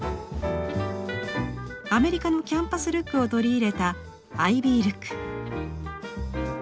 アメリカのキャンパスルックを取り入れたアイビールック。